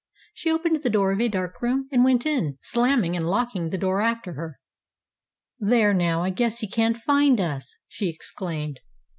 She opened the door of a dark room, and went in, slamming and locking the door after her. "There, now I guess he can't find us!" she exclaimed.